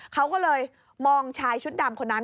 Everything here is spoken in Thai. เขาก็เลยมองชายชุดดำคนนั้น